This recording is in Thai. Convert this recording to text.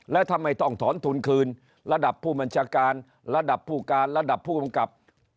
และทำไมต้องถอนทุนคืนระดับผู้บัญชาการระดับผู้การระดับผู้กำกับ